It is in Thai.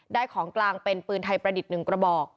ของกลางเป็นปืนไทยประดิษฐ์๑กระบอก